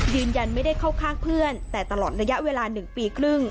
ยืนยันไม่ได้เข้าข้างเพื่อนแต่ตลอดระยะเวลา๑ปีครึ่ง